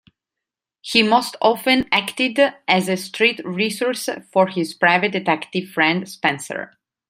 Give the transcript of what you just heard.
He most often acted as a street resource for his private detective friend Spenser.